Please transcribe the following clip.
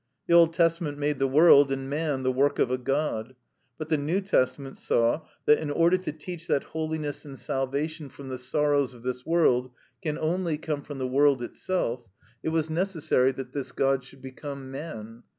The Old Testament made the world and man the work of a god, but the New Testament saw that, in order to teach that holiness and salvation from the sorrows of this world can only come from the world itself, it was necessary that this god should become man.